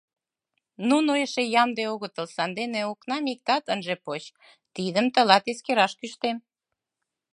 Нуно эше ямде огытыл, сандене окнам иктат ынже поч, тидым тылат эскераш кӱштем.